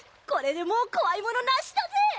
これでもう怖いものなしだぜ！